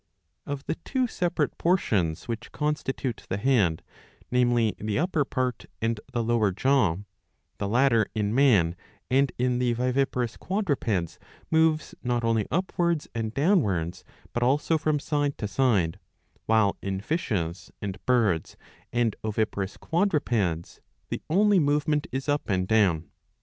Of the two separate portions which constitute the head, namely the upper part and the lower jaw, the latter in man and in the viviparous quadrupeds moves not only upwards and downwards, but also from side to side ;^^ while in fishes, and birds, and oviparous quadrupeds, the only movement is up and down.